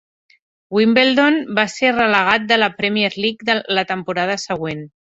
Wimbledon va ser relegat de la Premier League la temporada següent.